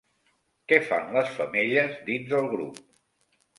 Què fan les femelles dins el grup?